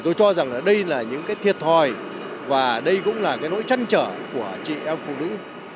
tôi cho rằng đây là những thiệt thòi và đây cũng là nỗi trăn trở của chị em phụ nữ